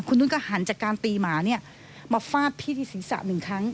คุณนุ่นหันจากการตีหมามาฟาดพี่ที่ศีรษะ๑ผม